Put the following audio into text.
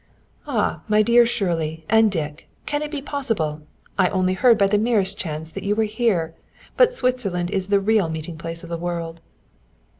"Ah, my dear Shirley, and Dick! Can it be possible! I only heard by the merest chance that you were here. But Switzerland is the real meeting place of the world."